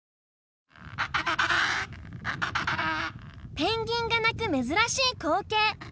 ペンギンが鳴く珍しい光景